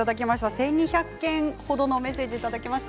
１２００件ほどのメッセージをいただきました。